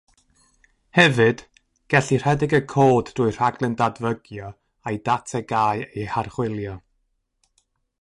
Hefyd, gellir rhedeg y cod drwy'r rhaglen dadfygio a'i data gae ei harchwilio.